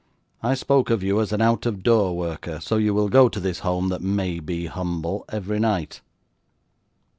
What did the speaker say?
I spoke of you as an out of door worker; so you will go to this home that may be humble, every night.